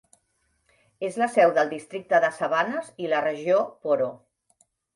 És la seu del Districte de Savanes i la Regió Poro.